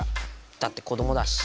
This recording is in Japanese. だって子どもだし。